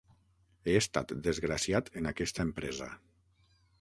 He estat desgraciat en aquesta empresa.